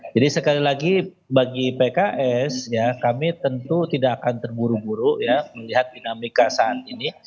jadi sekali lagi bagi pks ya kami tentu tidak akan terburu buru ya melihat dinamika saat ini